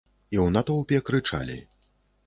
І ў натоўпе крычалі.